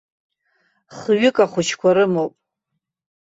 Хҩык ахәыҷқәа рымоуп.